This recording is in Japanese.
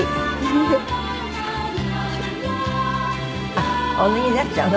あっお脱ぎになっちゃうの？